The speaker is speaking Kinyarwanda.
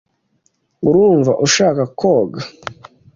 Urumva ushaka koga?